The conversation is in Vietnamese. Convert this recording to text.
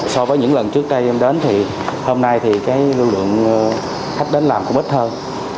so với những lần trước đây em đến thì hôm nay thì cái lưu lượng khách đến làm cũng ít hơn